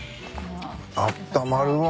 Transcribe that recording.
あったまるわ。